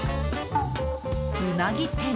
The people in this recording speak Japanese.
うなぎ店。